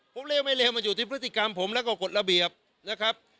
ผมเลวไม่เร็วมันอยู่ที่พฤติกรรมผมแล้วก็กฎระเบียบนะครับ